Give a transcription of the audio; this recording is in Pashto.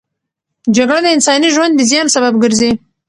جګړه د انساني ژوند د زیان سبب ګرځي.